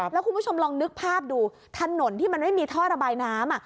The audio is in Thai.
แล้วคุณผู้ชมลองนึกภาพดูถนนที่มันไม่มีท่อระบายน้ำ